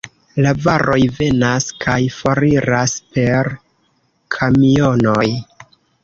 La varoj venas kaj foriras per kamionoj.